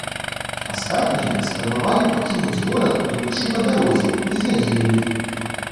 Астатнія спрабавалі пакінуць горад, ідучы па дарозе, і загінулі.